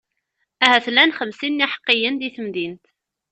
Ahat llan xemsin n iḥeqqiyen di temdint.